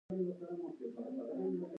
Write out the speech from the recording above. هغه احمد سرهندي ګوالیار کلا ته واستوه.